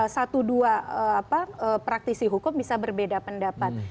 satu dua praktisi hukum bisa berbeda pendapat